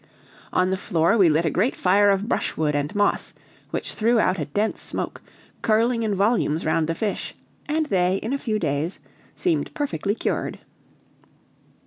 On the floor we lit a great fire of brushwood and moss, which threw out a dense smoke, curling in volumes round the fish, and they in a few days seemed perfectly cured.